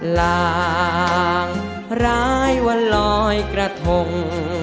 ลางร้ายวันลอยกระทง